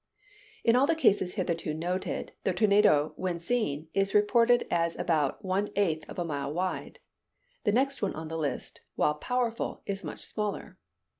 In all the cases hitherto noted, the tornado, when seen, is reported as about one eighth of a mile wide. The next one on the list, while powerful, is much smaller.